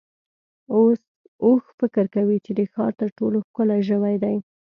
اوښ فکر کوي چې د ښار تر ټولو ښکلی ژوی دی.